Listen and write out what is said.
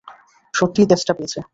সত্যিই তেষ্টা পেয়েছে।